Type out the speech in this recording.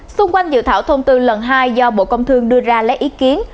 xung quanh dự thảo thông tư lần hai do bộ công thương đưa ra lấy ý kiến